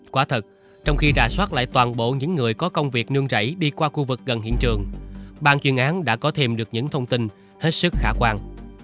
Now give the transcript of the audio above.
quả thật trong khi rà soát lại toàn bộ những người có công việc nương rẫy đi qua khu vực gần hiện trường ban chuyên án đã có thêm được những thông tin hết sức khả quan